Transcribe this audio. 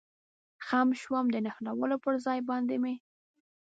خم شوم، د نښلولو پر ځای باندې مې.